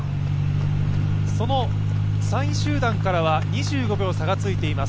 ３位集団からは２５秒差がついています